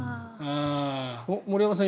森山さん